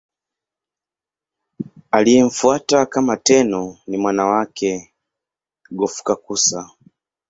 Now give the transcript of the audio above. Aliyemfuata kama Tenno ni mwana wake Go-Fukakusa.